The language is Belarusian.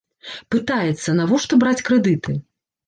Пытаецца, навошта браць крэдыты?